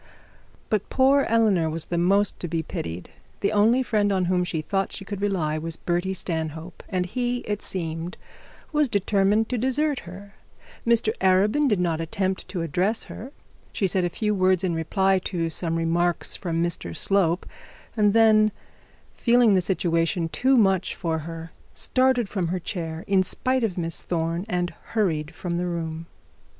But poor Eleanor was the most to be pitied. The only friend on whom she thought she could rely, was Bertie Stanhope, and he, it seemed, was determined to desert her. Mr Arabin did not attempt to address her. She said a few words in reply to some remarks from Mr Slope, and then feeling the situation too much for her, started from her chair in spite of Miss Thorne, and hurried from the room.